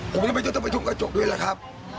ผมก็ต้องไปถูกกระจกด้วยละครับ